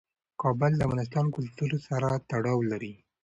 کابل د افغان کلتور سره تړاو لري.